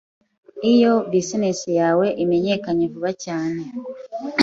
Iyo business yawe imenyekanye vuba cyane,